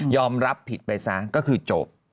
รับผิดไปซะก็คือจบ